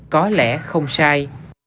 có lẽ không sai